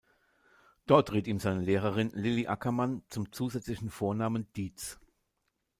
Dort riet ihm seine Lehrerin Lilly Ackermann zum zusätzlichen Vornamen Dietz.